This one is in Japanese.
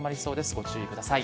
ご注意ください。